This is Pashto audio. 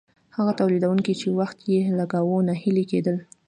هغه تولیدونکي چې وخت یې لګاوه ناهیلي کیدل.